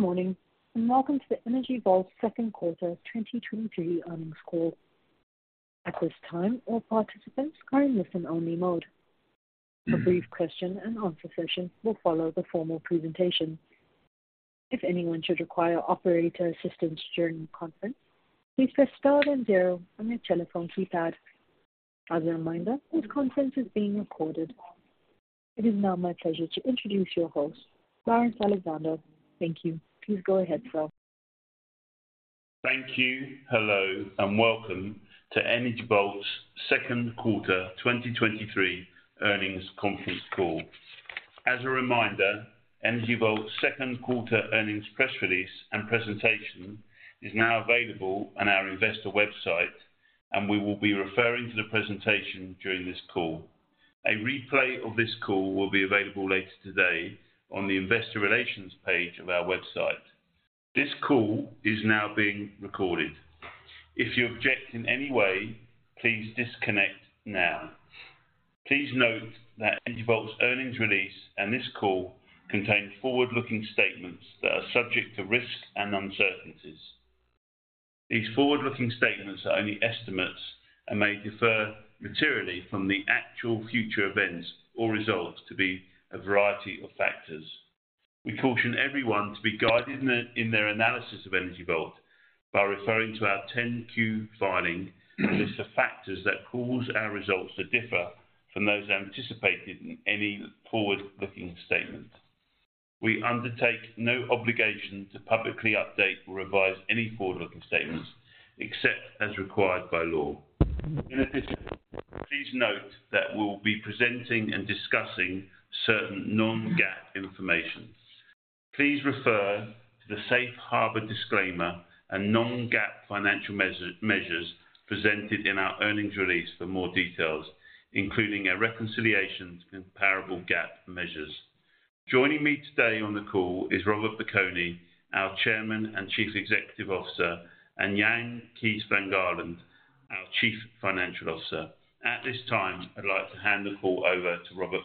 Good morning, welcome to the Energy Vault second quarter 2023 earnings call. At this time, all participants are in listen-only mode. A brief question-and-answer session will follow the formal presentation. If anyone should require operator assistance during the conference, please press star then zero on your telephone keypad. As a reminder, this conference is being recorded. It is now my pleasure to introduce your host, Laurence Alexander. Thank you. Please go ahead, sir. Thank you. Hello, welcome to Energy Vault's second quarter 2023 earnings conference call. As a reminder, Energy Vault's second quarter earnings press release and presentation is now available on our investor website, and we will be referring to the presentation during this call. A replay of this call will be available later today on the investor relations page of our website. This call is now being recorded. If you object in any way, please disconnect now. Please note that Energy Vault's earnings release and this call contain forward-looking statements that are subject to risks and uncertainties. These forward-looking statements are only estimates and may differ materially from the actual future events or results due to a variety of factors. We caution everyone to be guided in their analysis of Energy Vault by referring to our 10-Q filing, and list the factors that cause our results to differ from those anticipated in any forward-looking statement. We undertake no obligation to publicly update or revise any forward-looking statements, except as required by law. In addition, please note that we'll be presenting and discussing certain non-GAAP information. Please refer to the safe harbor disclaimer and non-GAAP financial measures presented in our earnings release for more details, including a reconciliation to comparable GAAP measures. Joining me today on the call is Robert Piconi, our Chairman and Chief Executive Officer, and Jan Kees van Gaalen, our Chief Financial Officer. At this time, I'd like to hand the call over to Robert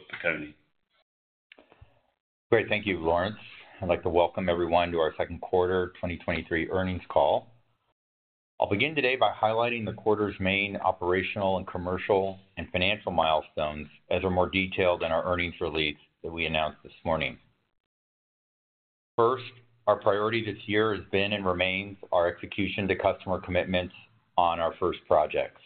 Piconi. Great. Thank you, Lawrence. I'd like to welcome everyone to our second quarter 2023 earnings call. I'll begin today by highlighting the quarter's main operational and commercial and financial milestones, as are more detailed in our earnings release that we announced this morning. First, our priority this year has been and remains our execution to customer commitments on our first projects.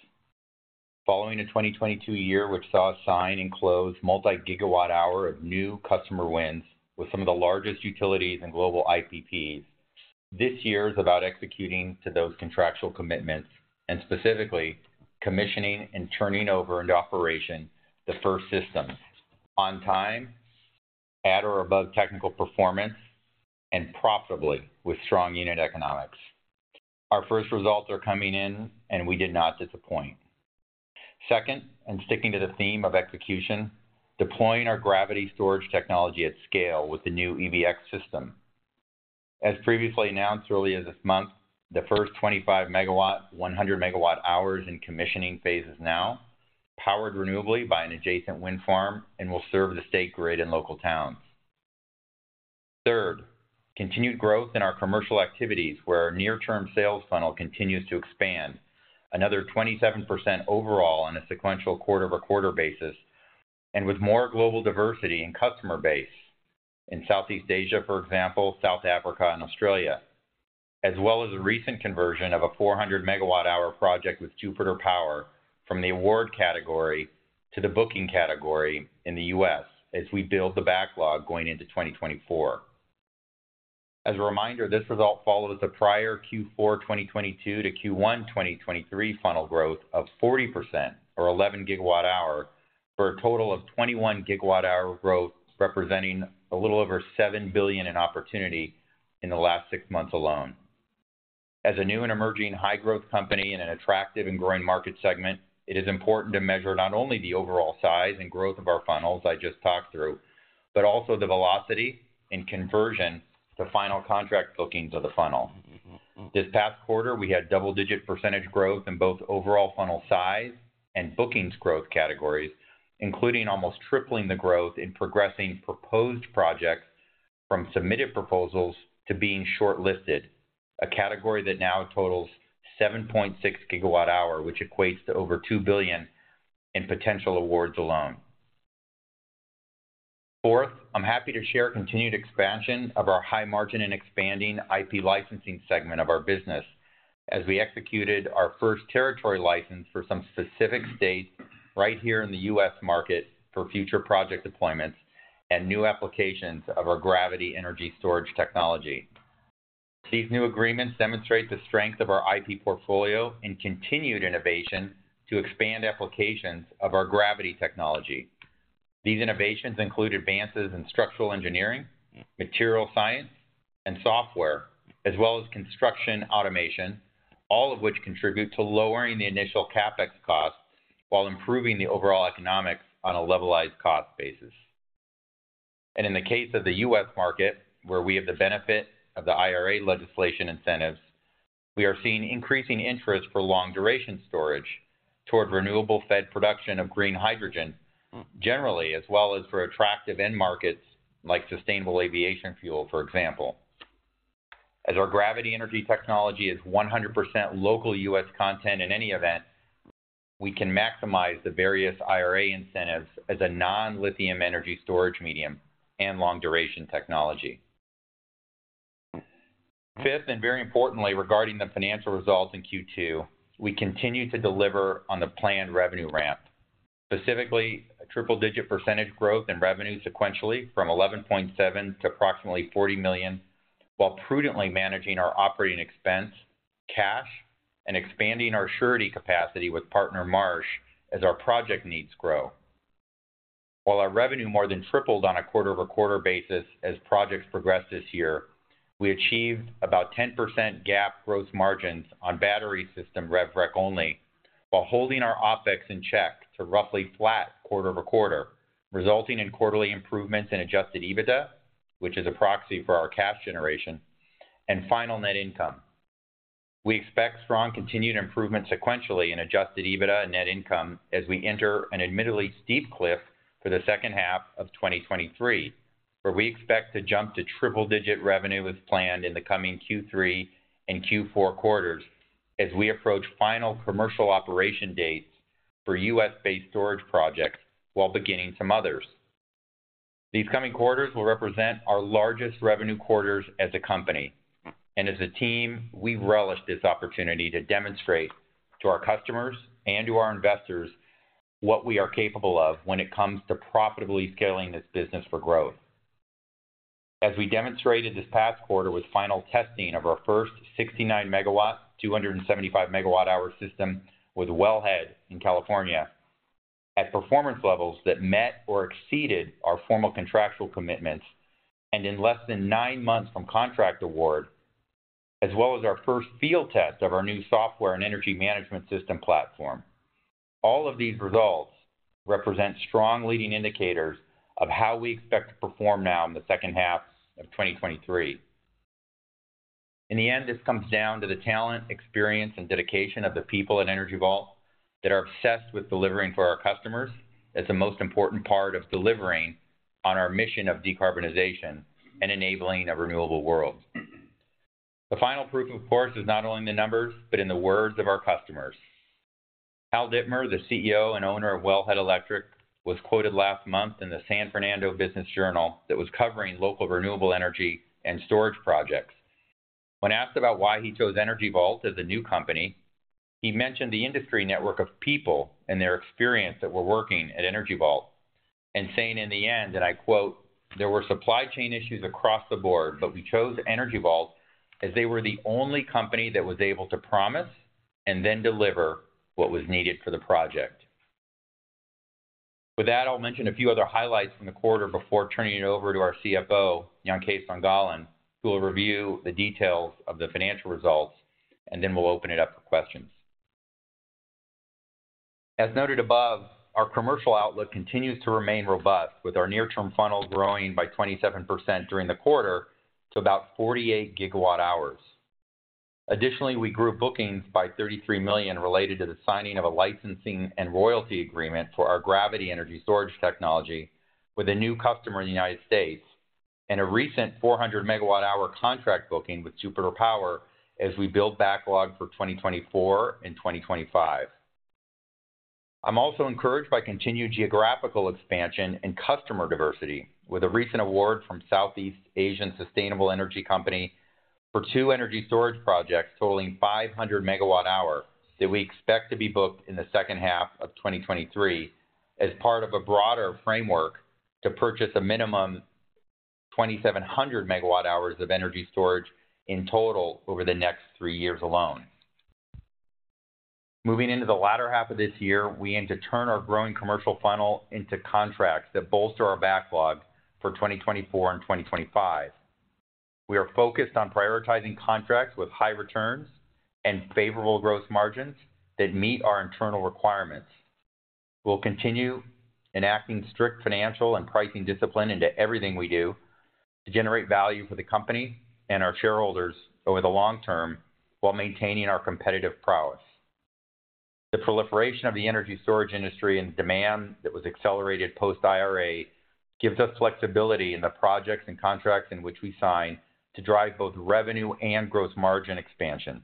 Following a 2022 year, which saw us sign and close multi-gigawatt-hour of new customer wins with some of the largest utilities and global IPPs, this year is about executing to those contractual commitments, and specifically commissioning and turning over into operation the first systems on time, at or above technical performance, and profitably with strong unit economics. Our first results are coming in, and we did not disappoint. Second, sticking to the theme of execution, deploying our gravity storage technology at scale with the new EVx system. As previously announced early as this month, the first 25 MW, 100 MWh in commissioning phases now, powered renewably by an adjacent wind farm and will serve the state grid and local towns. Third, continued growth in our commercial activities, where our near-term sales funnel continues to expand. Another 27% overall on a sequential quarter-over-quarter basis, and with more global diversity and customer base. In Southeast Asia, for example, South Africa and Australia, as well as a recent conversion of a 400 MWh project with Jupiter Power from the award category to the booking category in the US, as we build the backlog going into 2024. As a reminder, this result follows the prior Q4 2022 to Q1 2023 funnel growth of 40% or 11 GWh, for a total of 21 GWh growth, representing a little over $7 billion in opportunity in the last six months alone. As a new and emerging high-growth company in an attractive and growing market segment, it is important to measure not only the overall size and growth of our funnels I just talked through, but also the velocity and conversion to final contract bookings of the funnel. This past quarter, we had double-digit percentage growth in both overall funnel size and bookings growth categories, including almost tripling the growth in progressing proposed projects from submitted proposals to being shortlisted, a category that now totals 7.6 GWh, which equates to over $2 billion in potential awards alone. Fourth, I'm happy to share continued expansion of our high margin and expanding IP licensing segment of our business as we executed our first territory license for some specific states right here in the U.S. market for future project deployments and new applications of our gravity energy storage technology. These new agreements demonstrate the strength of our IP portfolio and continued innovation to expand applications of our gravity technology. These innovations include advances in structural engineering, material science, and software, as well as construction automation, all of which contribute to lowering the initial CapEx costs while improving the overall economics on a levelized cost basis. In the case of the U.S. market, where we have the benefit of the IRA legislation incentives. We are seeing increasing interest for long-duration storage toward renewable fed production of green hydrogen generally, as well as for attractive end markets like sustainable aviation fuel, for example. As our gravity energy technology is 100% local U.S. content in any event, we can maximize the various IRA incentives as a non-lithium energy storage medium and long-duration technology. Fifth, and very importantly, regarding the financial results in Q2, we continue to deliver on the planned revenue ramp. Specifically, a triple-digit percentage growth in revenue sequentially from 11.7 to approximately $40 million, while prudently managing our OpEx, cash, and expanding our surety capacity with partner Marsh as our project needs grow. While our revenue more than tripled on a quarter-over-quarter basis as projects progressed this year, we achieved about 10% GAAP gross margins on battery system rev rec only, while holding our OpEx in check to roughly flat quarter-over-quarter, resulting in quarterly improvements in adjusted EBITDA, which is a proxy for our cash generation and final net income. We expect strong, continued improvement sequentially in adjusted EBITDA and net income as we enter an admittedly steep cliff for the second half of 2023, where we expect to jump to triple-digit revenue as planned in the coming Q3 and Q4 quarters, as we approach final commercial operation dates for U.S.-based storage projects while beginning some others. These coming quarters will represent our largest revenue quarters as a company, and as a team, we relish this opportunity to demonstrate to our customers and to our investors what we are capable of when it comes to profitably scaling this business for growth. As we demonstrated this past quarter with final testing of our first 69 MW, 275 MWh system with Wellhead in California, at performance levels that met or exceeded our formal contractual commitments, and in less than nine months from contract award, as well as our first field test of our new software and energy management system platform. All of these results represent strong leading indicators of how we expect to perform now in the second half of 2023. In the end, this comes down to the talent, experience, and dedication of the people at Energy Vault that are obsessed with delivering for our customers. That's the most important part of delivering on our mission of decarbonization and enabling a renewable world. The final proof, of course, is not only in the numbers, but in the words of our customers. Hal Dittmer, the CEO and owner of Wellhead Electric, was quoted last month in the San Fernando Business Journal that was covering local renewable energy and storage projects. When asked about why he chose Energy Vault as a new company, he mentioned the industry network of people and their experience that were working at Energy Vault, saying, in the end, and I quote, "There were supply chain issues across the board, but we chose Energy Vault as they were the only company that was able to promise and then deliver what was needed for the project." With that, I'll mention a few other highlights from the quarter before turning it over to our CFO, Jan Kees van Gaalen, who will review the details of the financial results, then we'll open it up for questions. As noted above, our commercial outlook continues to remain robust, with our near-term funnel growing by 27% during the quarter to about 48 GWh. Additionally, we grew bookings by $33 million, related to the signing of a licensing and royalty agreement for our gravity energy storage technology with a new customer in the United States, and a recent 400 MWh contract booking with Jupiter Power as we build backlog for 2024 and 2025. I'm also encouraged by continued geographical expansion and customer diversity with a recent award from Southeast Asian Sustainable Energy Company for two energy storage projects totaling 500 MWh that we expect to be booked in the second half of 2023 as part of a broader framework to purchase a minimum 2,700 MWh of energy storage in total over the next 3 years alone. Moving into the latter half of this year, we aim to turn our growing commercial funnel into contracts that bolster our backlog for 2024 and 2025. We are focused on prioritizing contracts with high returns and favorable growth margins that meet our internal requirements. We'll continue enacting strict financial and pricing discipline into everything we do to generate value for the company and our shareholders over the long term, while maintaining our competitive prowess. The proliferation of the energy storage industry and demand that was accelerated post-IRA gives us flexibility in the projects and contracts in which we sign to drive both revenue and gross margin expansion.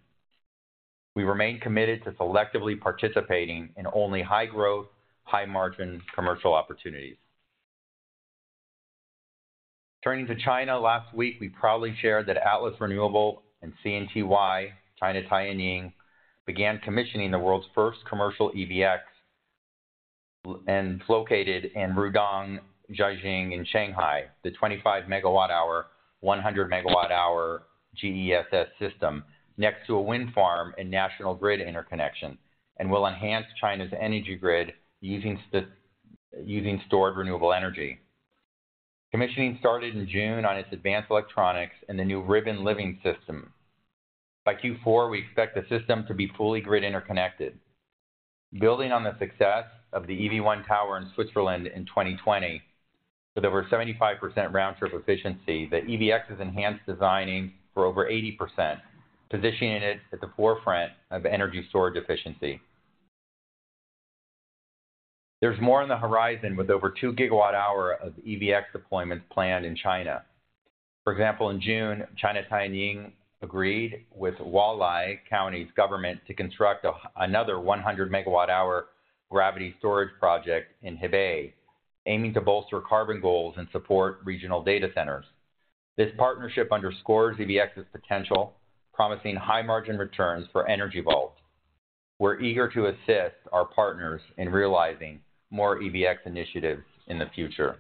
We remain committed to selectively participating in only high-growth, high-margin commercial opportunities. Turning to China, last week, we proudly shared that Atlas Renewable and CNTY, China Tianying, began commissioning the world's first commercial EVx and located in Rudong, Jiaxing, and Shanghai. The 25 megawatt-hour, 100 megawatt-hour GESS system next to a wind farm and national grid interconnection, and will enhance China's energy grid using stored renewable energy. Commissioning started in June on its advanced electronics and the new ribbon lifting system. By Q4, we expect the system to be fully grid interconnected. Building on the success of the EV1 tower in Switzerland in 2020, with over 75% round-trip efficiency, the EVx is enhanced, designing for over 80%, positioning it at the forefront of energy storage efficiency. There's more on the horizon with over 2 gigawatt-hour of EVx deployments planned in China. For example, in June, China Tianying agreed with Huailai County's government to construct another 100 MWh gravity storage project in Hebei, aiming to bolster carbon goals and support regional data centers. This partnership underscores EVx's potential, promising high-margin returns for Energy Vault. We're eager to assist our partners in realizing more EVx initiatives in the future.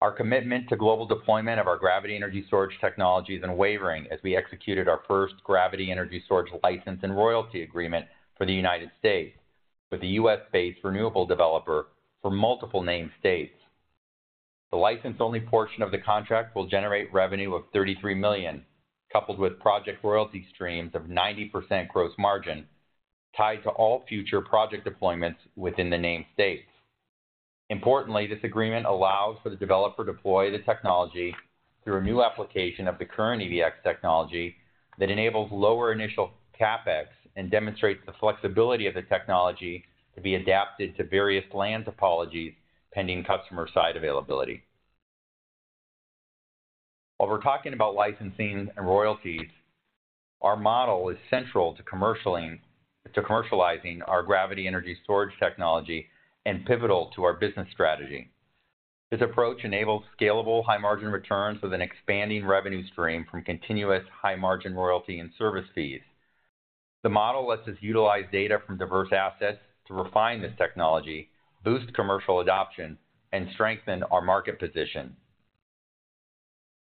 Our commitment to global deployment of our gravity energy storage technology is unwavering, as we executed our first gravity energy storage license and royalty agreement for the United States, with the U.S.-based renewable developer for multiple named states. The license-only portion of the contract will generate revenue of $33 million, coupled with project royalty streams of 90% gross margin, tied to all future project deployments within the named states. Importantly, this agreement allows for the developer to deploy the technology through a new application of the current EVx technology that enables lower initial CapEx, and demonstrates the flexibility of the technology to be adapted to various land topologies, pending customer site availability. While we're talking about licensing and royalties, our model is central to commercializing our gravity energy storage technology and pivotal to our business strategy. This approach enables scalable, high-margin returns with an expanding revenue stream from continuous high-margin royalty and service fees. The model lets us utilize data from diverse assets to refine this technology, boost commercial adoption, and strengthen our market position.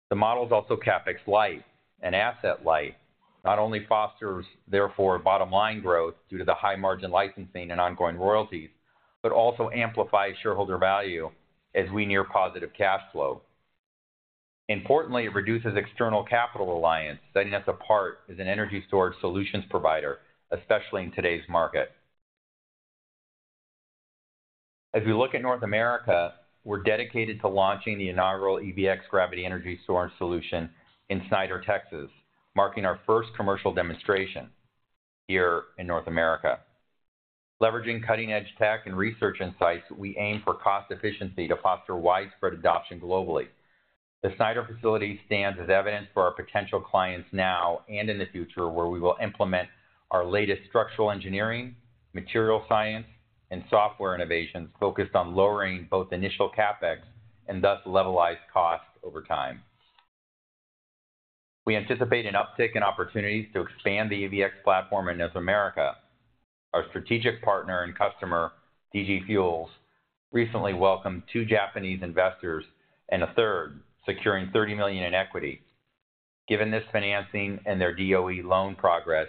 The model is also CapEx-light and asset-light, not only fosters, therefore, bottom-line growth due to the high-margin licensing and ongoing royalties, but also amplifies shareholder value as we near positive cash flow. Importantly, it reduces external capital alliance, setting us apart as an energy storage solutions provider, especially in today's market. As we look at North America, we're dedicated to launching the inaugural EVx gravity energy storage solution in Snyder, Texas, marking our first commercial demonstration here in North America. Leveraging cutting-edge tech and research insights, we aim for cost efficiency to foster widespread adoption globally. The Snyder facility stands as evidence for our potential clients now and in the future, where we will implement our latest structural engineering, material science, and software innovations focused on lowering both initial CapEx and thus levelized costs over time. We anticipate an uptick in opportunities to expand the EVx platform in North America. Our strategic partner and customer, DG Fuels, recently welcomed two Japanese investors and a third, securing $30 million in equity. Given this financing and their DOE loan progress,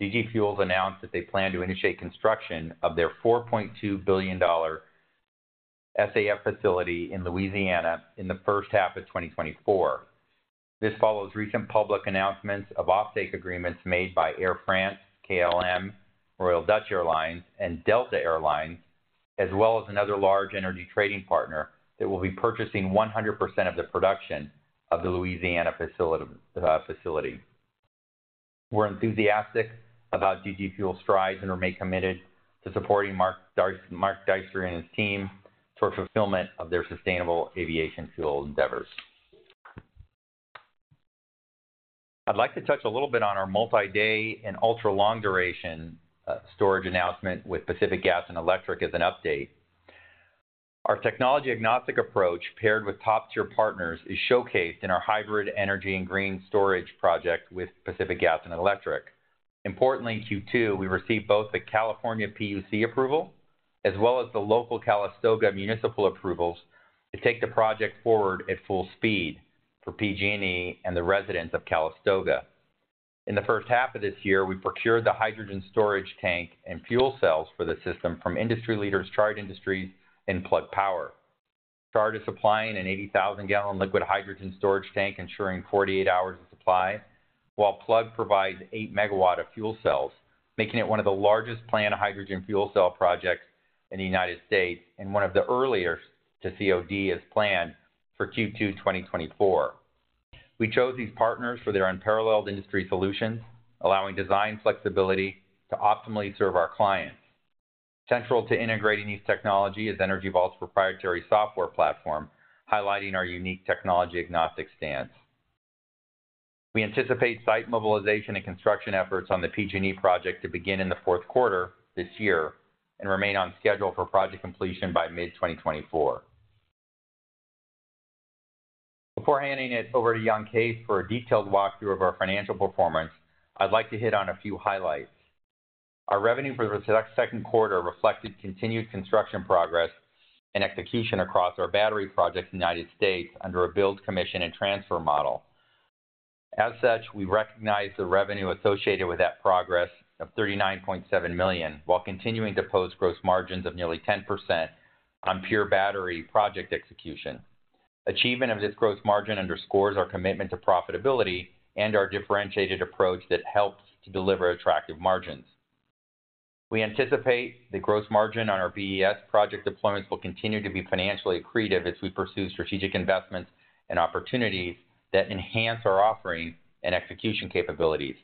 DG Fuels announced that they plan to initiate construction of their $4.2 billion SAF facility in Louisiana in the first half of 2024. This follows recent public announcements of offtake agreements made by Air France, KLM, Royal Dutch Airlines, and Delta Air Lines, as well as another large energy trading partner that will be purchasing 100% of the production of the Louisiana facility. We're enthusiastic about DG Fuels' strides and remain committed to supporting Michael Darcy and his team toward fulfillment of their sustainable aviation fuel endeavors. I'd like to touch a little bit on our multi-day and ultra-long duration storage announcement with Pacific Gas and Electric as an update. Our technology-agnostic approach, paired with top-tier partners, is showcased in our hybrid energy and green storage project with Pacific Gas and Electric. Importantly, in Q2, we received both the California PUC approval, as well as the local Calistoga municipal approvals to take the project forward at full speed for PG&E and the residents of Calistoga. In the first half of this year, we procured the hydrogen storage tank and fuel cells for the system from industry leaders, Chart Industries and Plug Power. Chart is supplying an 80,000 gallon liquid hydrogen storage tank, ensuring 48 hours of supply, while Plug provides 8 megawatt of fuel cells, making it one of the largest planned hydrogen fuel cell projects in the United States and one of the earliest to COD as planned for Q2 2024. We chose these partners for their unparalleled industry solutions, allowing design flexibility to optimally serve our clients. Central to integrating these technologies is Energy Vault's proprietary software platform, highlighting our unique technology-agnostic stance. We anticipate site mobilization and construction efforts on the PG&E project to begin in the fourth quarter this year and remain on schedule for project completion by mid-2024. Before handing it over to Jan Kay for a detailed walkthrough of our financial performance, I'd like to hit on a few highlights. Our revenue for the 2nd quarter reflected continued construction progress and execution across our battery projects in the United States under a build, commission, and transfer model. As such, we recognize the revenue associated with that progress of $39.7 million, while continuing to post gross margins of nearly 10% on pure battery project execution. Achievement of this gross margin underscores our commitment to profitability and our differentiated approach that helps to deliver attractive margins. We anticipate the gross margin on our BES project deployments will continue to be financially accretive as we pursue strategic investments and opportunities that enhance our offerings and execution capabilities.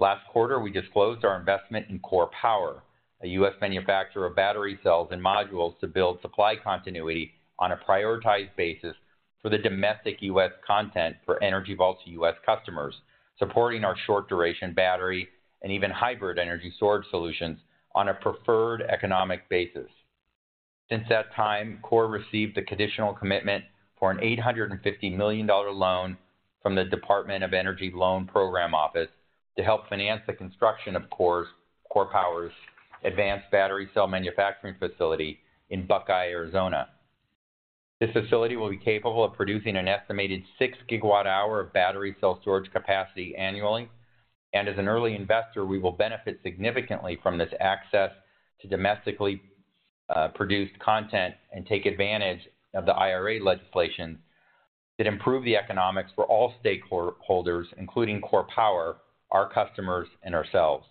Last quarter, we disclosed our investment in KORE Power, a U.S. manufacturer of battery cells and modules, to build supply continuity on a prioritized basis for the domestic U.S. content for Energy Vault's U.S. customers, supporting our short-duration battery and even hybrid energy storage solutions on a preferred economic basis. KORE received a conditional commitment for an $850 million loan from the DOE Loan Programs Office to help finance the construction of KORE Power's advanced battery cell manufacturing facility in Buckeye, Arizona. This facility will be capable of producing an estimated 6 GWh of battery cell storage capacity annually, and as an early investor, we will benefit significantly from this access to domestically produced content and take advantage of the IRA legislation that improve the economics for all stakeholders, including KORE Power, our customers, and ourselves.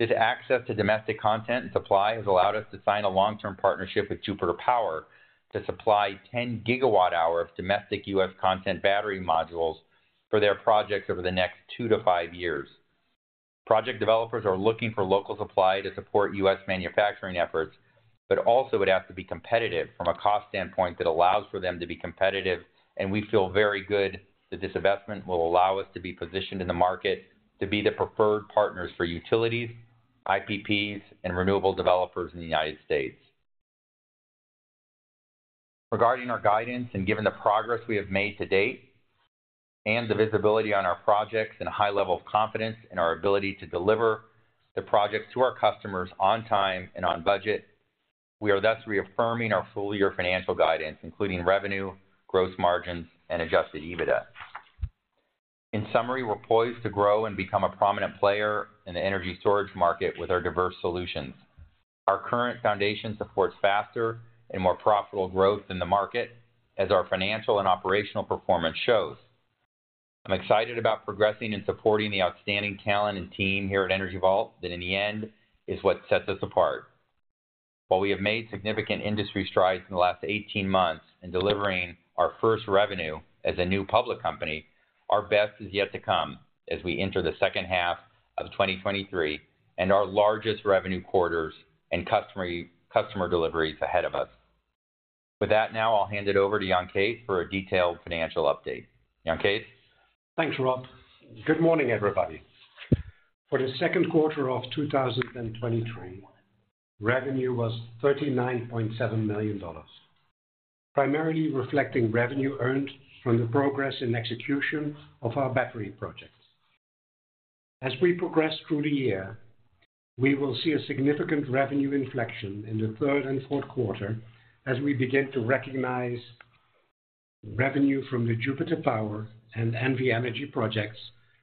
This access to domestic content and supply has allowed us to sign a long-term partnership with Jupiter Power to supply 10 GWh of domestic U.S. content battery modules for their projects over the next 2-5 years. Project developers are looking for local supply to support U.S. manufacturing efforts. Also it would have to be competitive from a cost standpoint that allows for them to be competitive. We feel very good that this investment will allow us to be positioned in the market to be the preferred partners for utilities, IPPs, and renewable developers in the United States. Regarding our guidance, given the progress we have made to date, and the visibility on our projects and a high level of confidence in our ability to deliver the projects to our customers on time and on budget, we are thus reaffirming our full-year financial guidance, including revenue, gross margins, and adjusted EBITDA. In summary, we're poised to grow and become a prominent player in the energy storage market with our diverse solutions. Our current foundation supports faster and more profitable growth in the market, as our financial and operational performance shows. I'm excited about progressing and supporting the outstanding talent and team here at Energy Vault that, in the end, is what sets us apart. While we have made significant industry strides in the last 18 months in delivering our first revenue as a new public company, our best is yet to come as we enter the second half of 2023, and our largest revenue quarters and customer, customer delivery is ahead of us. With that, now I'll hand it over to Jan Kees for a detailed financial update. Jan Kees? Thanks, Rob. Good morning, everybody. For the second quarter of 2023, revenue was $39.7 million, primarily reflecting revenue earned from the progress and execution of our battery projects. As we progress through the year, we will see a significant revenue inflection in the third and fourth quarter as we begin to recognize revenue from the Jupiter Power and NV Energy projects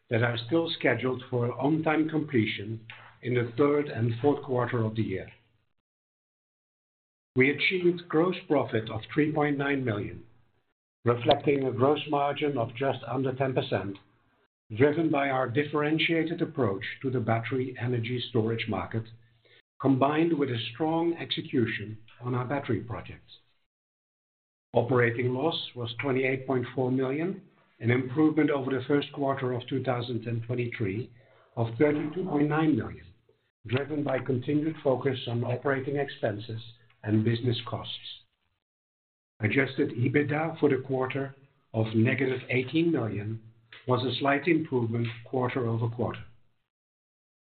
that are still scheduled for on-time completion in the third and fourth quarter of the year. We achieved gross profit of $3.9 million, reflecting a gross margin of just under 10%, driven by our differentiated approach to the battery energy storage market, combined with a strong execution on our battery projects. Operating loss was $28.4 million, an improvement over the first quarter of 2023 of $32.9 million, driven by continued focus on operating expenses and business costs. Adjusted EBITDA for the quarter of negative $18 million was a slight improvement quarter-over-quarter.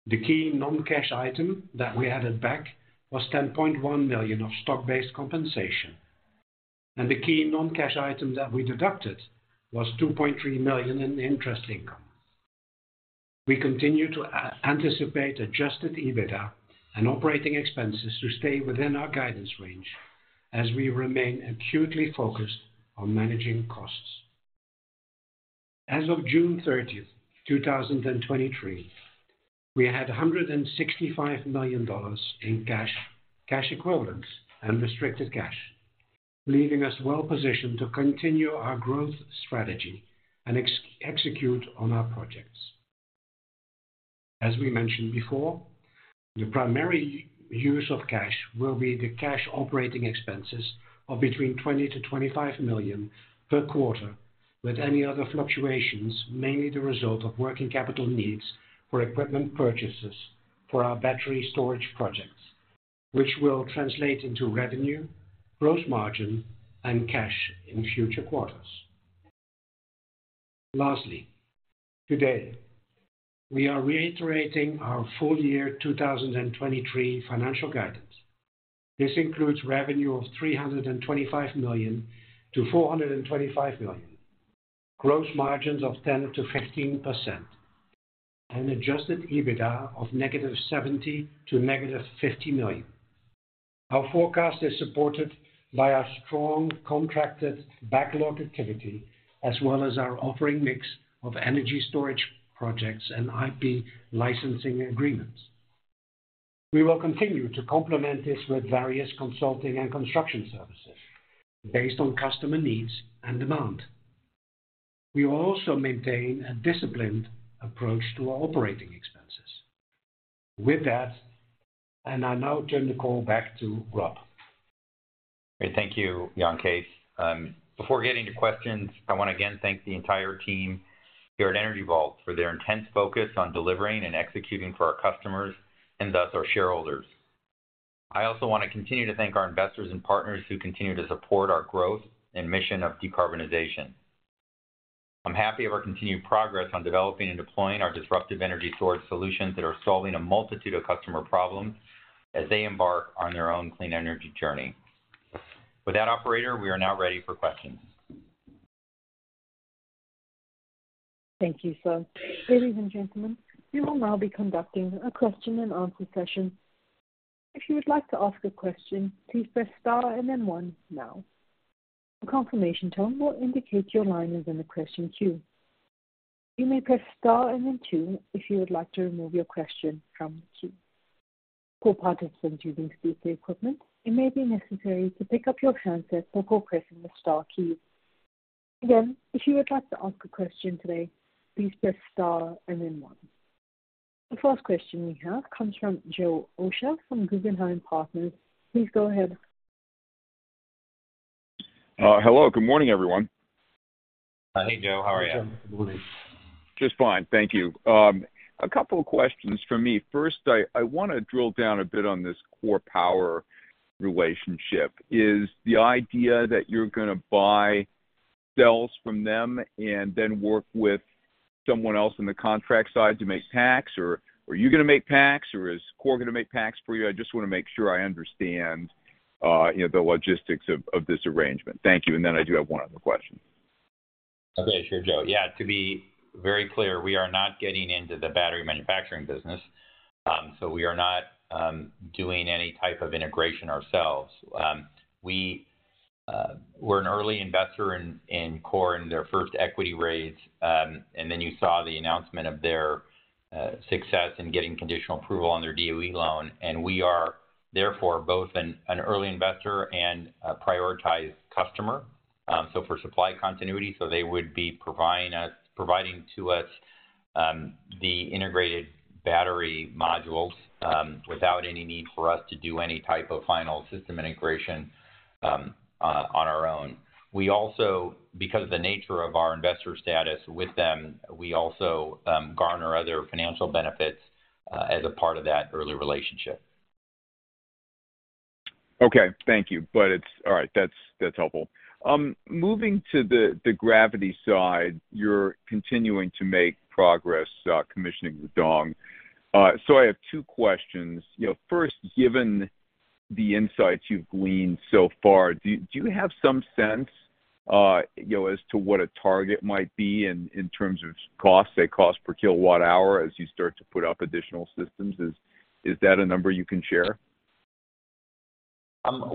The key non-cash item that we added back was $10.1 million of stock-based compensation. The key non-cash item that we deducted was $2.3 million in interest income. We continue to anticipate adjusted EBITDA and operating expenses to stay within our guidance range as we remain acutely focused on managing costs. As of June 30th, 2023, we had $165 million in cash, cash equivalents, and restricted cash, leaving us well positioned to continue our growth strategy and execute on our projects. As we mentioned before, the primary use of cash will be the cash operating expenses of between $20 million-$25 million per quarter, with any other fluctuations, mainly the result of working capital needs for equipment purchases for our battery storage projects, which will translate into revenue, gross margin, and cash in future quarters. Lastly, today, we are reiterating our full year 2023 financial guidance. This includes revenue of $325 million-$425 million, gross margins of 10%-15%, and adjusted EBITDA of negative $70 million to negative $50 million. Our forecast is supported by our strong contracted backlog activity, as well as our offering mix of energy storage projects and IP licensing agreements. We will continue to complement this with various consulting and construction services based on customer needs and demand. We will also maintain a disciplined approach to our operating expenses. With that, I now turn the call back to Rob. Great. Thank you, Jan Kees. Before getting to questions, I want to again thank the entire team here at Energy Vault for their intense focus on delivering and executing for our customers and thus our shareholders. I also want to continue to thank our investors and partners who continue to support our growth and mission of decarbonization. I'm happy of our continued progress on developing and deploying our disruptive energy storage solutions that are solving a multitude of customer problems as they embark on their own clean energy journey. With that, operator, we are now ready for questions. Thank you, sir. Ladies and gentlemen, we will now be conducting a question and answer session. If you would like to ask a question, please press star and then one now. A confirmation tone will indicate your line is in the question queue. You may press star and then two if you would like to remove your question from the queue. For participants using speaker equipment, it may be necessary to pick up your handset before pressing the star key. Again, if you would like to ask a question today, please press star and then one. The first question we have comes from Joe Osha from Guggenheim Partners. Please go ahead. Hello, good morning, everyone. Hey, Joe. How are you? Good morning. Just fine, thank you. A couple of questions from me. First, I, I want to drill down a bit on this KORE Power relationship. Is the idea that you're going to buy cells from them and then work with someone else on the contract side to make packs, or are you going to make packs, or is KORE going to make packs for you? I just want to make sure I understand, you know, the logistics of, of this arrangement. Thank you. Then I do have one other question. Okay, sure, Joe. To be very clear, we are not getting into the battery manufacturing business, we are not doing any type of integration ourselves. We're an early investor in Core in their first equity raise, you saw the announcement of their success in getting conditional approval on their DOE loan, we are therefore both an, an early investor and a prioritized customer for supply continuity. They would be providing us, providing to us, the integrated battery modules, without any need for us to do any type of final system integration on our own. We also, because of the nature of our investor status with them, we also garner other financial benefits as a part of that early relationship. Okay. Thank you. All right, that's, that's helpful. Moving to the, the Gravity side, you're continuing to make progress, commissioning the Rudong. I have two questions. You know, first, given the insights you've gleaned so far, do, do you have some sense, you know, as to what a target might be in, in terms of cost, say, cost per kilowatt hour, as you start to put up additional systems? Is, is that a number you can share?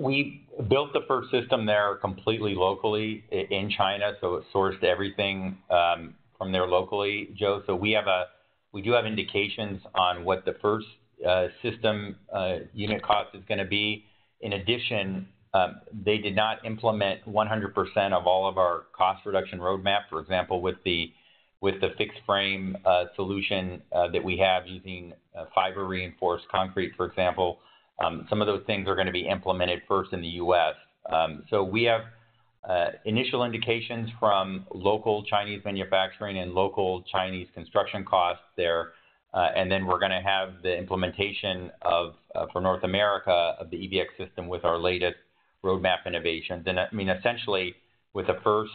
We built the first system there completely locally in China, so it sourced everything from there locally, Joe. We do have indications on what the first system unit cost is going to be. In addition, they did not implement 100% of all of our cost reduction roadmap, for example, with the fixed frame solution that we have using fiber-reinforced concrete, for example. Some of those things are going to be implemented first in the U.S. We have initial indications from local Chinese manufacturing and local Chinese construction costs there, and then we're going to have the implementation for North America, of the EVx system with our latest roadmap innovations. I mean, essentially, with the first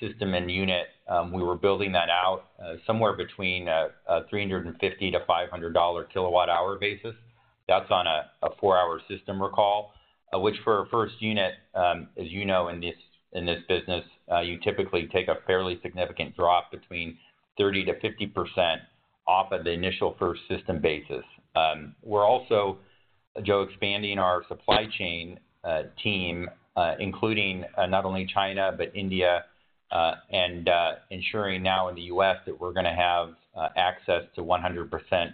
system and unit, we were building that out somewhere between $350-$500 KWh basis. That's on a 4-hour system recall, which for a first unit, as you know, in this, in this business, you typically take a fairly significant drop between 30%-50% off of the initial first system basis. We're also, Joe, expanding our supply chain team, including not only China, but India, and ensuring now in the U.S. that we're going to have access to 100%,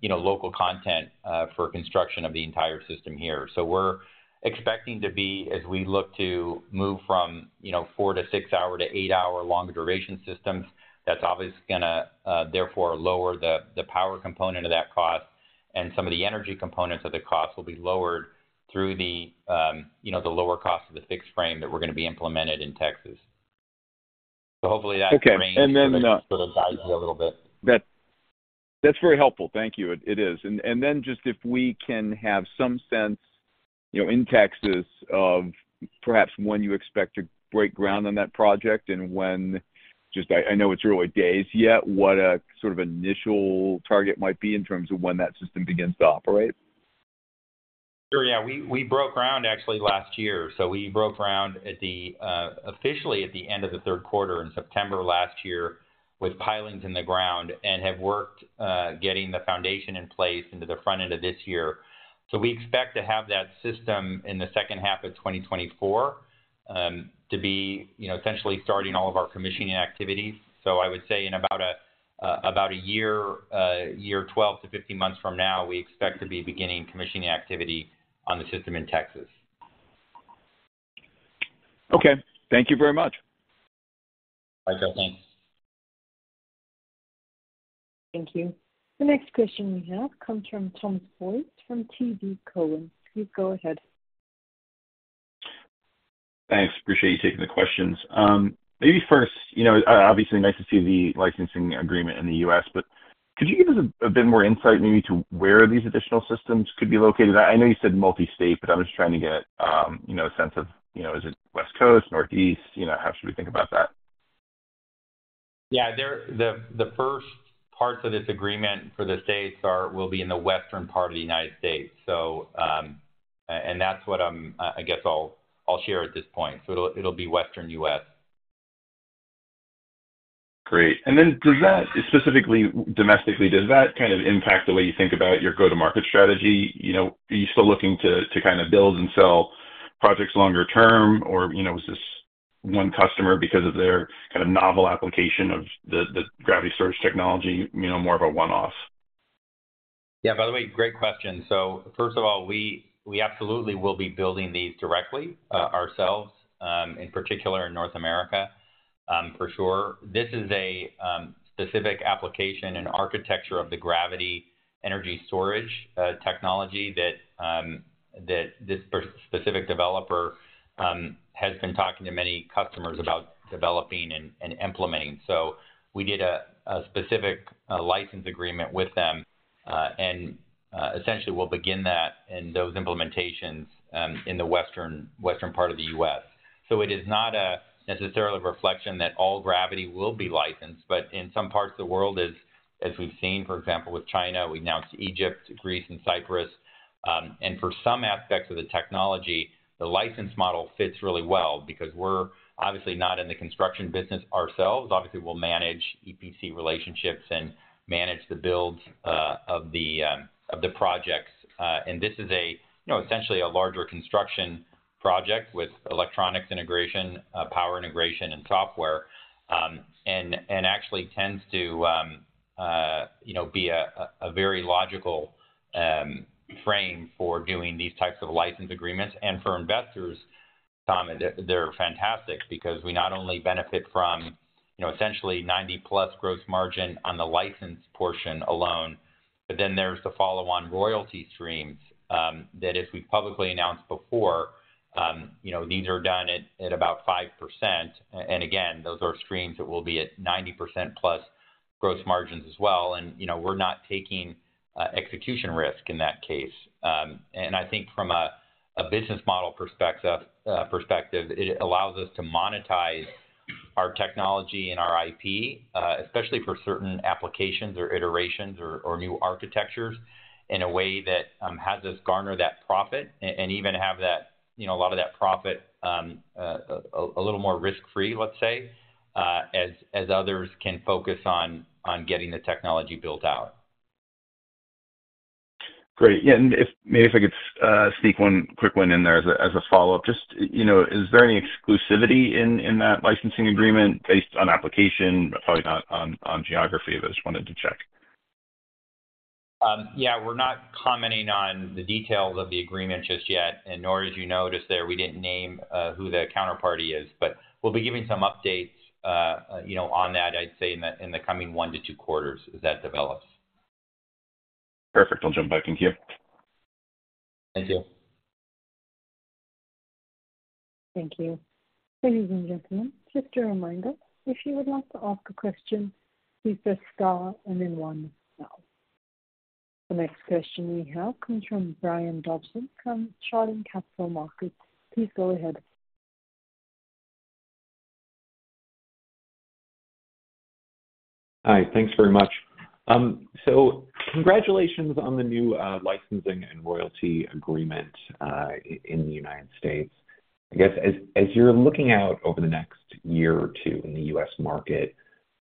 you know, local content for construction of the entire system here. We're expecting to be, as we look to move from, you know, 4-6 hour to 8 hour longer duration systems, that's obviously going to, therefore, lower the, the power component of that cost, and some of the energy components of the cost will be lowered through the, you know, the lower cost of the fixed frame that we're going to be implemented in Texas. Hopefully that. Okay, then. Sort of guides you a little bit. That's very helpful. Thank you. It is. Then just if we can have some sense, you know, in Texas, of perhaps when you expect to break ground on that project and when, just I know it's really days yet, what a sort of initial target might be in terms of when that system begins to operate. Sure, yeah. We, we broke ground actually 2023. We broke ground at the officially at the end of the third quarter in September 2023, with pilings in the ground, and have worked getting the foundation in place into the front end of 2024. We expect to have that system in the second half of 2024, to be, you know, essentially starting all of our commissioning activities. I would say in about a about a year, year, 12-15 months from now, we expect to be beginning commissioning activity on the system in Texas. Okay, thank you very much. Bye, gentlemen. Thank you. The next question we have comes from Thomas Boyes from TD Cowen. Please go ahead. Thanks. Appreciate you taking the questions. Maybe first, you know, obviously nice to see the licensing agreement in the U.S., but could you give us a bit more insight maybe to where these additional systems could be located? I know you said multi-state, but I'm just trying to get, you know, a sense of, you know, is it West Coast, Northeast? You know, how should we think about that? Yeah, there. The first parts of this agreement for the states are, will be in the western part of the United States. And that's what I'm, I guess I'll, I'll share at this point. It'll be Western U.S. Then does that, specifically domestically, does that kind of impact the way you think about your go-to-market strategy? You know, are you still looking to kind of build and sell projects longer term? Or, you know, is this one customer because of their kind of novel application of the gravity storage technology, you know, more of a one-off? Yeah, by the way, great question. First of all, we, we absolutely will be building these directly ourselves, in particular in North America, for sure. This is a specific application and architecture of the gravity energy storage technology that that this specific developer has been talking to many customers about developing and implementing. We did a specific license agreement with them, and essentially, we'll begin that and those implementations in the western, western part of the U.S. It is not a necessarily a reflection that all gravity will be licensed, but in some parts of the world, as, as we've seen, for example, with China, we've announced Egypt, Greece, and Cyprus. For some aspects of the technology, the license model fits really well because we're obviously not in the construction business ourselves. Obviously, we'll manage EPC relationships and manage the builds of the projects. This is a, you know, essentially a larger construction project with electronics integration, power integration, and software. Actually tends to, you know, be a very logical frame for doing these types of license agreements. For investors, Tom, they're fantastic because we not only benefit from, you know, essentially 90%+ gross margin on the license portion alone, but then there's the follow-on royalty streams that as we've publicly announced before, you know, these are done at about 5%. Again, those are streams that will be at 90%+ gross margins as well. You know, we're not taking execution risk in that case. I think from a business model perspective, it allows us to monetize our technology and our IP, especially for certain applications or iterations or new architectures, in a way that has us garner that profit and even have that, you know, a lot of that profit a little more risk-free, let's say, as others can focus on getting the technology built out. Great. Yeah, if maybe if I could sneak one quick one in there as a follow-up. Just, you know, is there any exclusivity in, in that licensing agreement based on application, but probably not on, on geography, but just wanted to check? Yeah, we're not commenting on the details of the agreement just yet, and nor as you noticed there, we didn't name who the counterparty is. We'll be giving some updates on that coming 1-2 quarters as that develops. Perfect. I'll jump back in here. Thank you. Thank you. Ladies and gentlemen, just a reminder, if you would like to ask a question, please press star and then one now. The next question we have comes from Brian Dobson from Chardan Capital Markets. Please go ahead. Hi, thanks very much. Congratulations on the new licensing and royalty agreement in the United States. I guess, as, as you're looking out over the next year or two in the U.S. market,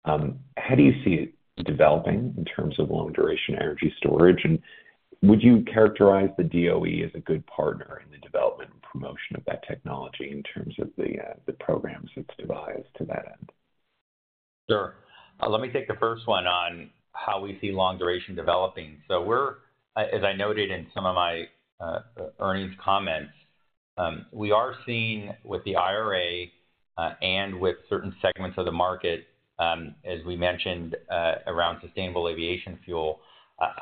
how do you see it developing in terms of long-duration energy storage? Would you characterize the DOE as a good partner in the development and promotion of that technology in terms of the programs it's devised to that end? Sure. Let me take the first one on how we see long duration developing. We're, as I noted in some of my earnings comments, we are seeing with the IRA and with certain segments of the market, as we mentioned, around sustainable aviation fuel,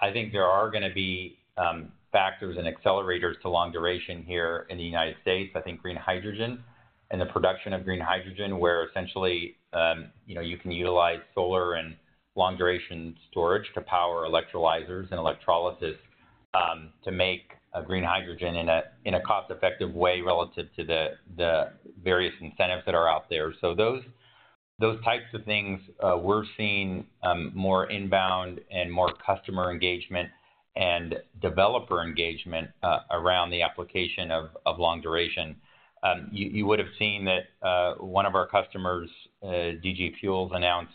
I think there are gonna be factors and accelerators to long duration here in the United States. I think green hydrogen and the production of green hydrogen, where essentially, you know, you can utilize solar and long-duration storage to power electrolyzers and electrolysis to make a green hydrogen in a cost-effective way relative to the various incentives that are out there. Those, those types of things, we're seeing more inbound and more customer engagement and developer engagement around the application of long duration. You, you would have seen that, one of our customers, DG Fuels, announced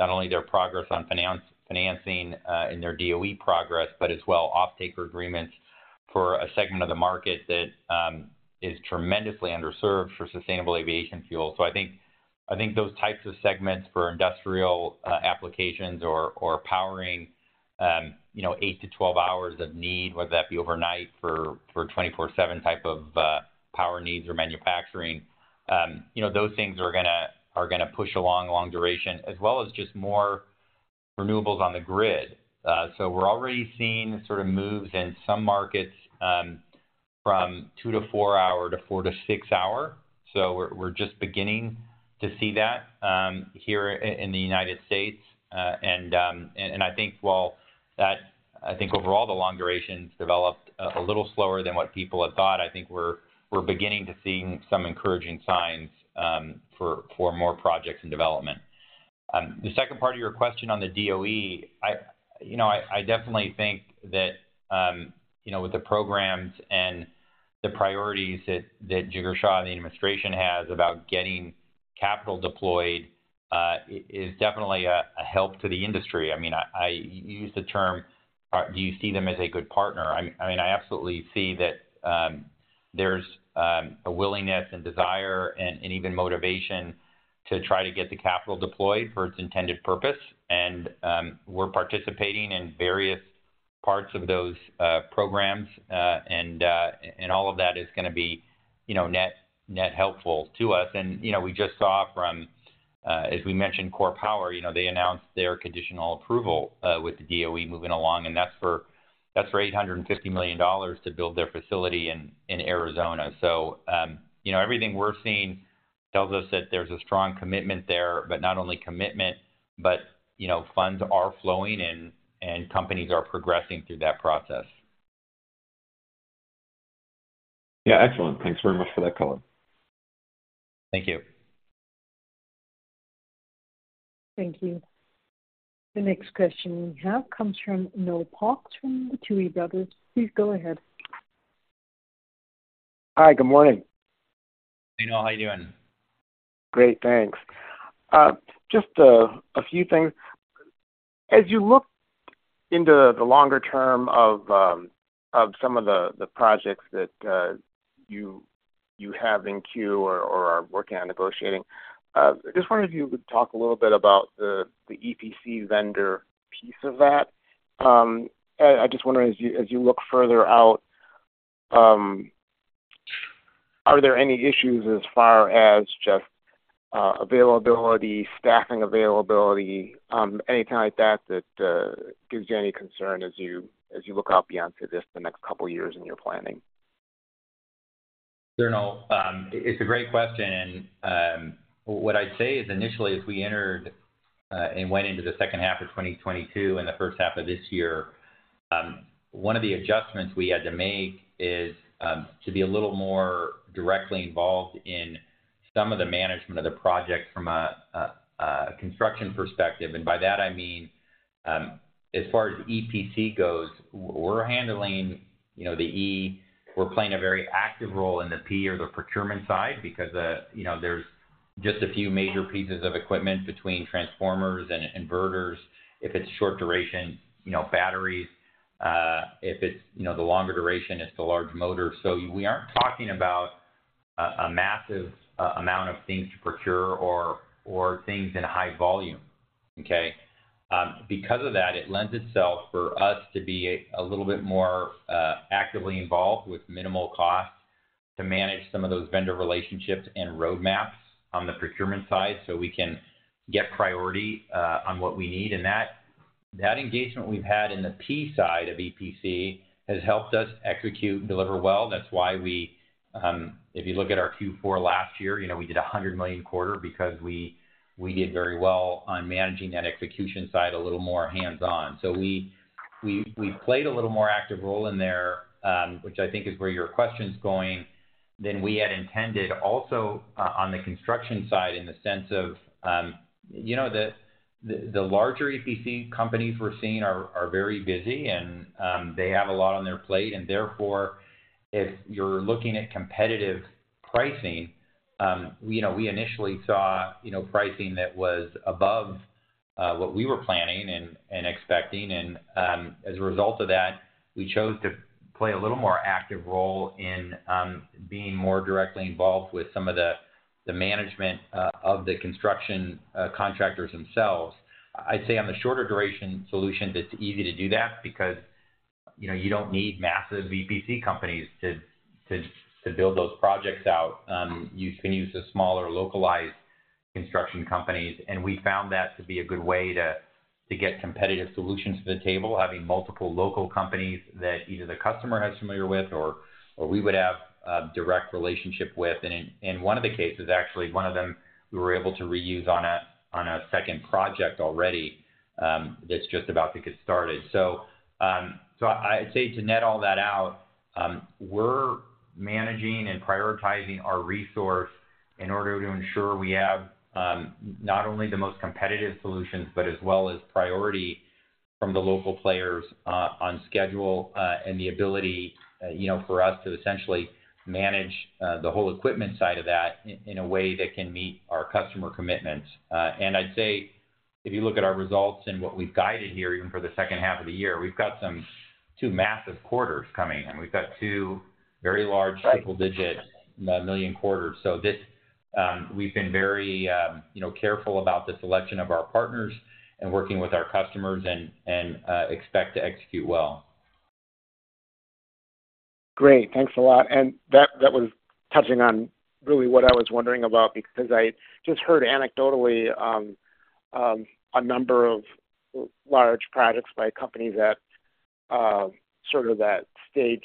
not only their progress on finance- financing, and their DOE progress, but as well, offtaker agreements for a segment of the market that, is tremendously underserved for sustainable aviation fuel. I think, I think those types of segments for industrial, applications or, or powering-... you know, 8-12 hours of need, whether that be overnight for, for 24/7 type of power needs or manufacturing. You know, those things are gonna, are gonna push along long duration, as well as just more renewables on the grid. We're already seeing sort of moves in some markets, from 2-4 hour to 4-6 hour. We're, we're just beginning to see that here i-in the United States. I think overall, the long durations developed a little slower than what people had thought. I think we're beginning to seeing some encouraging signs for more projects and development. The second part of your question on the DOE, I, you know, I definitely think that, you know, with the programs and the priorities that Jigar Shah and the administration has about getting capital deployed is definitely a help to the industry. I mean, I use the term, do you see them as a good partner? I mean, I absolutely see that there's a willingness and desire and even motivation to try to get the capital deployed for its intended purpose. We're participating in various parts of those programs. All of that is gonna be, you know, net, net helpful to us. You know, we just saw from, as we mentioned, KORE Power, you know, they announced their conditional approval with the DOE moving along, and that's for, that's for $850 million to build their facility in Arizona. You know, everything we're seeing tells us that there's a strong commitment there, but not only commitment, but, you know, funds are flowing in and companies are progressing through that process. Yeah, excellent. Thanks very much for that color. Thank you. Thank you. The next question we have comes from Noel Parks from the Tuohy Brothers. Please go ahead. Hi, good morning. Noel, how you doing? Great, thanks. Just a few things. As you look into the longer term of some of the, the projects that you, you have in queue or, or are working on negotiating, I just wonder if you would talk a little bit about the, the EPC vendor piece of that. I just wondering, as you, as you look further out, are there any issues as far as just availability, staffing availability, anything like that, that gives you any concern as you, as you look out beyond to just the next couple of years in your planning? Sure, Noel. It's a great question. What I'd say is initially, as we entered and went into the second half of 2022 and the first half of this year, one of the adjustments we had to make is to be a little more directly involved in some of the management of the project from a construction perspective. By that, I mean, as far as EPC goes, we're handling, you know, the E. We're playing a very active role in the P or the procurement side, because, you know, there's just a few major pieces of equipment between transformers and inverters. If it's short duration, you know, batteries, if it's, you know, the longer duration, it's the large motor. We aren't talking about a, a massive amount of things to procure or, or things in high volume, okay? Because of that, it lends itself for us to be a, a little bit more actively involved with minimal costs, to manage some of those vendor relationships and roadmaps on the procurement side, so we can get priority on what we need. That, that engagement we've had in the P side of EPC has helped us execute, deliver well. That's why we, if you look at our Q4 last year, you know, we did a $100 million quarter because we, we did very well on managing that execution side a little more hands-on. We, we, we played a little more active role in there, which I think is where your question's going than we had intended. Also, on the construction side, in the sense of, you know, the, the, the larger EPC companies we're seeing are, are very busy and, they have a lot on their plate. Therefore, if you're looking at competitive pricing, you know, we initially saw, you know, pricing that was above, what we were planning and expecting. As a result of that, we chose to play a little more active role in, being more directly involved with some of the, the management of the construction contractors themselves. I'd say on the shorter duration solutions, it's easy to do that because, you know, you don't need massive EPC companies to build those projects out. You can use the smaller, localized construction companies, and we found that to be a good way to, to get competitive solutions to the table, having multiple local companies that either the customer has familiar with or, or we would have a direct relationship with. In, in one of the cases, actually, one of them, we were able to reuse on a, on a second project already, that's just about to get started. So I'd say to net all that out, we're managing and prioritizing our resource in order to ensure we have, not only the most competitive solutions, but as well as priority from the local players, on schedule, and the ability, you know, for us to essentially manage, the whole equipment side of that in, in a way that can meet our customer commitments. I'd say if you look at our results and what we've guided here, even for the second half of the year, we've got some 2 massive quarters coming in. We've got 2 very large double-digit million quarters. We've been very, you know, careful about the selection of our partners and working with our customers and expect to execute well. Great. Thanks a lot. That, that was touching on really what I was wondering about, because I just heard anecdotally, a number of large projects by companies at, sort of that stage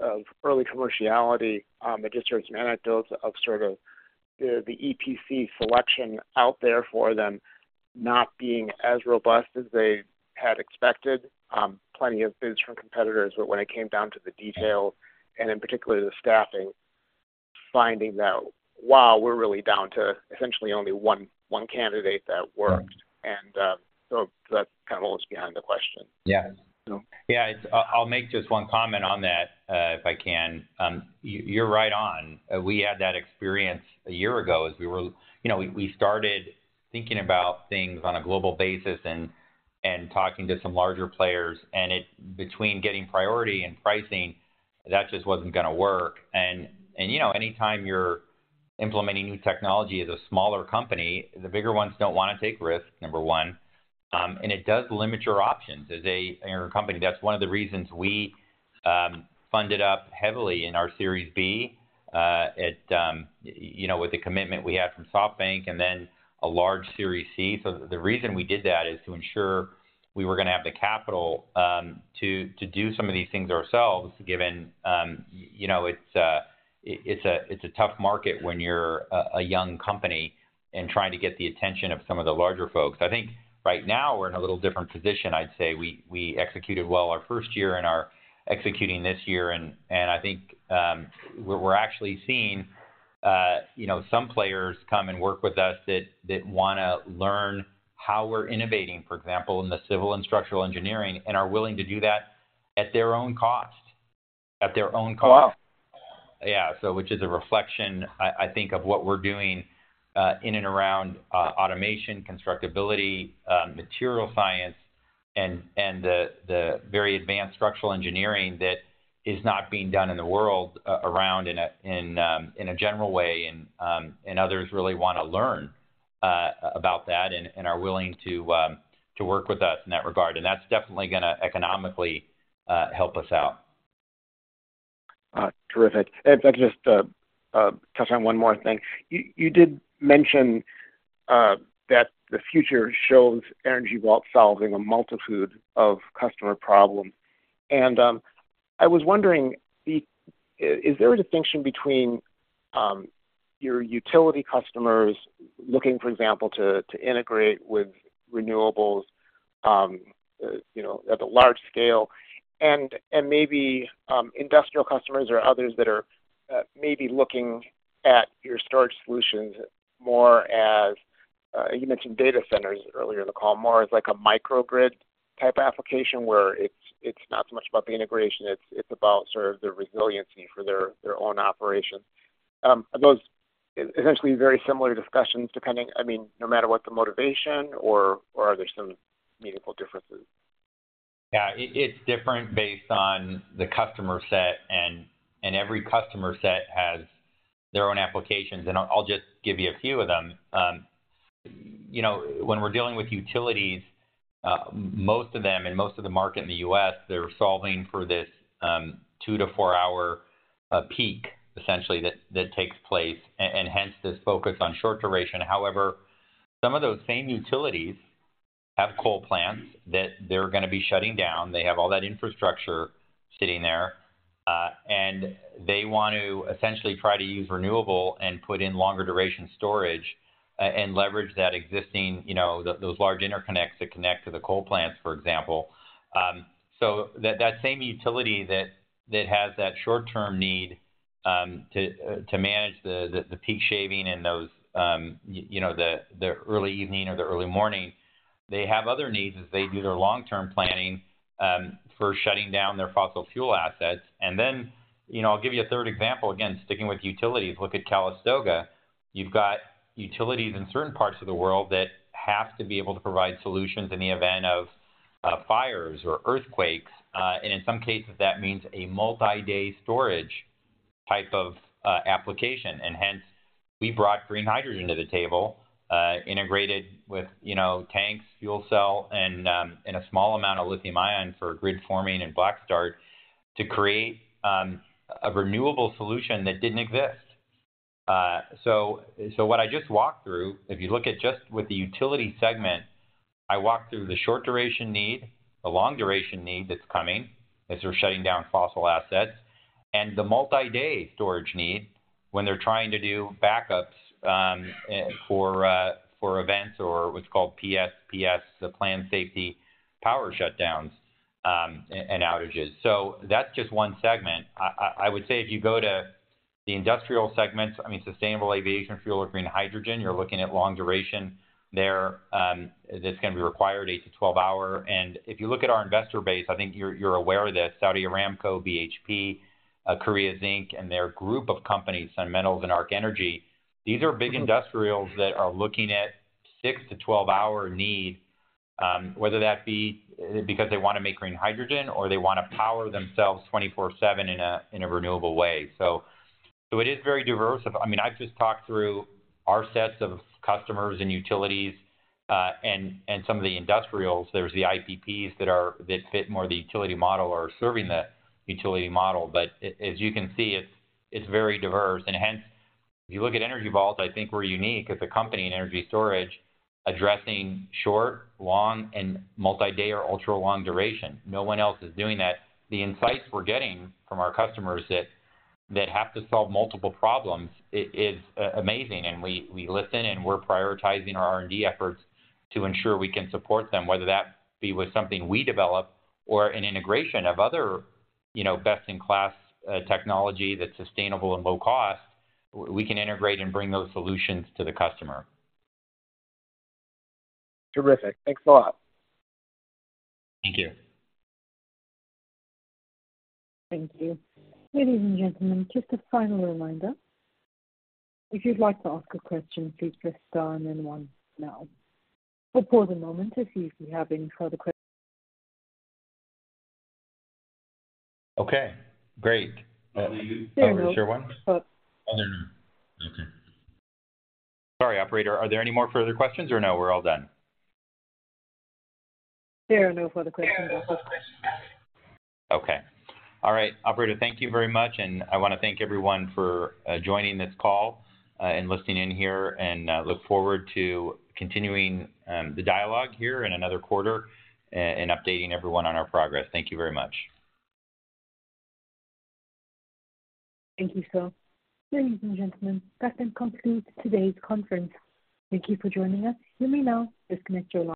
of early commerciality. I just heard some anecdotes of sort of the, the EPC selection out there for them not being as robust as they had expected. Plenty of bids from competitors, but when it came down to the detail and in particular, the staffing, finding that, wow, we're really down to essentially only one, one candidate that worked. Mm-hmm. That kind of was behind the question. Yeah. So. Yeah, it's-- I'll, I'll make just one comment on that, if I can. You, you're right on. We had that experience a year ago as we were-- You know, we, we started thinking about things on a global basis and, and talking to some larger players, and it-- between getting priority and pricing, that just wasn't gonna work. And, you know, anytime you're implementing new technology as a smaller company, the bigger ones don't want to take risks, number one, and it does limit your options as a, you know, company. That's one of the reasons we funded up heavily in our Series B, at, you know, with the commitment we had from SoftBank and then a large Series C. The reason we did that is to ensure we were gonna have the capital, to, to do some of these things ourselves, given, you know, it's a, it's a tough market when you're a, a young company and trying to get the attention of some of the larger folks. I think right now we're in a little different position. I'd say we, we executed well our first year and are executing this year. I think, we're, we're actually seeing, you know, some players come and work with us that, that wanna learn how we're innovating, for example, in the civil and structural engineering, and are willing to do that at their own cost. At their own cost. Wow! Yeah. Which is a reflection, I, I think, of what we're doing in and around automation, constructability, material science, and, and the, the very advanced structural engineering that is not being done in the world around in a general way. Others really want to learn about that and, and are willing to work with us in that regard. That's definitely gonna economically help us out. Terrific. If I could just touch on one more thing. You, you did mention that the future shows Energy Vault solving a multitude of customer problems. I was wondering, is there a distinction between your utility customers looking, for example, to, to integrate with renewables, you know, at a large scale, and, and maybe, industrial customers or others that are maybe looking at your storage solutions more as, you mentioned data centers earlier in the call, more as like a microgrid-type application, where it's, it's not so much about the integration, it's, it's about sort of the resiliency for their, their own operations? Are those essentially very similar discussions, depending-- I mean, no matter what the motivation or, or are there some meaningful differences? Yeah. It's different based on the customer set, and every customer set has their own applications, and I'll just give you a few of them. you know, when we're dealing with utilities, most of them and most of the market in the U.S., they're solving for this 2-4 hour peak, essentially, that takes place, and hence, this focus on short duration. However, some of those same utilities have coal plants that they're gonna be shutting down. They have all that infrastructure sitting there, and they want to essentially try to use renewable and put in longer duration storage, and leverage that existing, you know, those large interconnects that connect to the coal plants, for example. So that, that same utility that, that has that short-term need, to, to manage the, the, the peak shaving and those, you know, the, the early evening or the early morning, they have other needs as they do their long-term planning, for shutting down their fossil fuel assets. You know, I'll give you a third example. Again, sticking with utilities, look at Calistoga. You've got utilities in certain parts of the world that have to be able to provide solutions in the event of fires or earthquakes. In some cases, that means a multi-day storage type of application. Hence, we brought green hydrogen to the table, integrated with, you know, tanks, fuel cell, and, and a small amount of lithium ion for grid forming and black start to create a renewable solution that didn't exist. What I just walked through, if you look at just with the utility segment, I walked through the short-duration need, the long-duration need that's coming as they're shutting down fossil assets, and the multi-day storage need when they're trying to do backups for events or what's called PSPS, the Public Safety Power Shutoffs, and outages. That's just one segment. I would say if you go to the industrial segment, I mean, sustainable aviation fuel or green hydrogen, you're looking at long duration there. That's gonna be required 8-12 hour. If you look at our investor base, I think you're, you're aware of this, Saudi Aramco, BHP, Korea Zinc, and their group of companies, Sun Metals and Ark Energy. These are big industrials that are looking at 6-12 hour need. Whether that be because they want to make green hydrogen or they want to power themselves 24/7 in a, in a renewable way. It is very diverse. I mean, I've just talked through our sets of customers and utilities, and, and some of the industrials. There's the IPPs that are-- that fit more the utility model or serving the utility model. As you can see, it's, it's very diverse. Hence, if you look at Energy Vault, I think we're unique as a company in energy storage, addressing short, long, and multi-day or ultra-long duration. No one else is doing that. The insights we're getting from our customers that, that have to solve multiple problems, it is amazing. We, we listen, and we're prioritizing our R&D efforts to ensure we can support them, whether that be with something we develop or an integration of other, you know, best-in-class technology that's sustainable and low cost. We can integrate and bring those solutions to the customer. Terrific. Thanks a lot. Thank you. Thank you. Ladies and gentlemen, just a final reminder. If you'd like to ask a question, please press star and then 1 now. We'll pause a moment if you have any further. Okay, great. There are no- Are there more? Oh. Oh, there are none. Okay. Sorry, operator. Are there any more further questions, or no, we're all done? There are no further questions. Okay. All right, operator, thank you very much, and I want to thank everyone for joining this call, and listening in here, and look forward to continuing the dialogue here in another quarter and updating everyone on our progress. Thank you very much. Thank you, Phil. Ladies and gentlemen, that then concludes today's conference. Thank you for joining us. You may now disconnect your line.